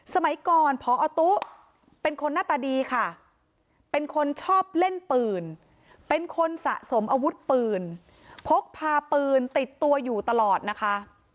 สมัยก่อนพอตุ๊เป็นคนหน้าตาดีค่ะเป็นคนชอบเล่นปืนเป็นคนสะสมอาวุธปืนพกพาปืนติดตัวอยู่ตลอดนะคะ